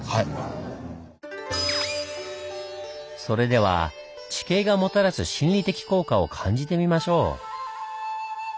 それでは地形がもたらす心理的効果を感じてみましょう。